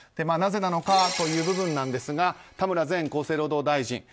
なぜなのかという部分ですが田村前厚生労働大臣。